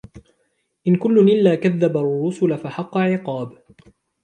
إن كل إلا كذب الرسل فحق عقاب